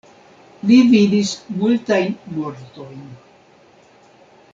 Li vidis multajn mortojn.